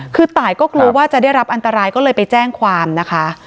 คือตายก็กลัวว่าจะได้รับอันตรายก็เลยไปแจ้งความนะคะ